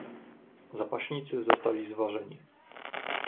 "Zapaśnicy zostali zważeni."